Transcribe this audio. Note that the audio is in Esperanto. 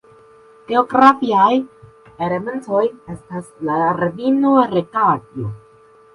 Geografiaj elementoj estas la ravino Regajo.